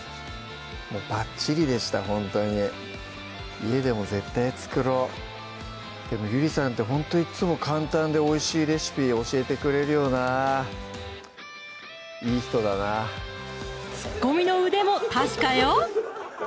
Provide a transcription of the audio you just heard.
ばっちりでしたほんとに家でも絶対作ろうでもゆりさんってほんといつも簡単でおいしいレシピ教えてくれるよないい人だなツッコミの腕も確かよ！